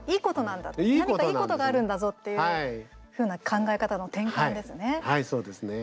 何かいいことがあるんだぞっていうふうな考え方の転換ですね。